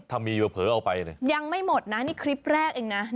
ถ้ามีเผลอเอาไปยังไม่หมดนะนี่คลิปแรกเองนะ